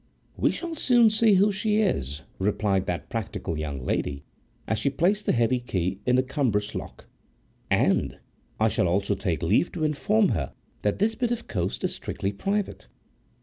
"We shall soon see who she is," replied that practical young lady, as she placed the heavy key in the cumbrous lock, "and I shall also take leave to inform her that this bit of coast is strictly private."